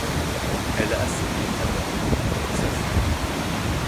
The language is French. Elle assimile Adam et s’enfuit.